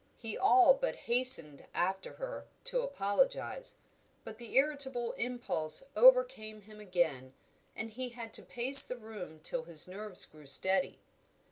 He all but hastened after her, to apologise; but the irritable impulse overcame him again, and he had to pace the room till his nerves grew steady.